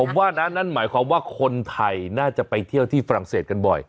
ผมว่านะนั่นหมายความว่าคนไทยน่าจะไปเที่ยวที่ฝรั่งเศสกันบ่อย